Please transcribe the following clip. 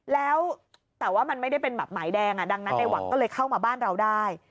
แล้วแต่ว่ามันไม่ได้เป็นแบบหมายแดงดังนั้นในหวังก็เลยเข้ามาบ้านเราได้